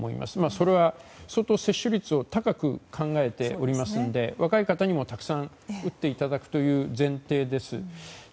それは相当、接種率を高く考えておりますので若い方にもたくさん打っていただくという前提です。